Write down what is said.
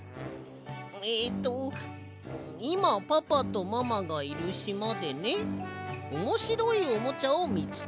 えっと「いまパパとママがいるしまでねおもしろいおもちゃをみつけたの。